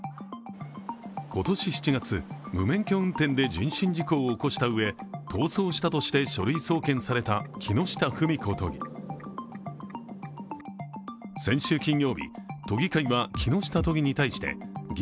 今年７月、無免許運転で人身事故を起こしたうえ、逃走したとして書類送検された木下富美子都議。